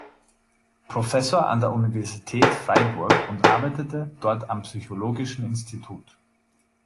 Professor an der Universität Freiburg und arbeitete dort am Psychologischen Institut.